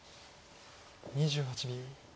２８秒。